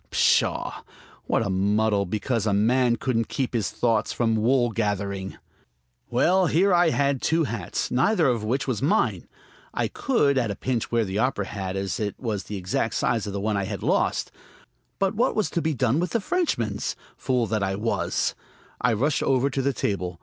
Pshaw! what a muddle because a man couldn't keep his thoughts from wool gathering! Well, here I had two hats, neither of which was mine. I could, at a pinch, wear the opera hat, as it was the exact size of the one I had lost. But what was to be done with the Frenchman's?... Fool that I was! I rushed over to the table.